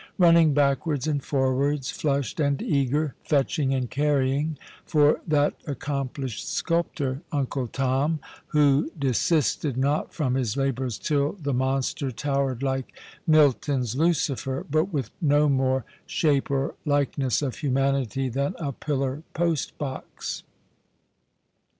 running backwards and forwards, flushed and eager, fetching and carrying for that accomplished sculptor, Uncle Tom, who desisted not from his labours till the monster towered like Milton's Lucifer, but with no more shape or likeness of humanity than a pillar post box.